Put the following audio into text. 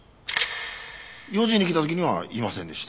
４時に来た時にはいませんでした。